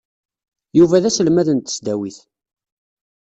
Yuba d aselmad n tesdawit.